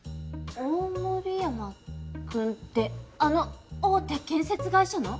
大森山君ってあの大手建設会社の？